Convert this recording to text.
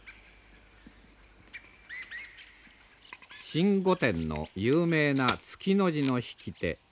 新御殿の有名な月の字の引き手。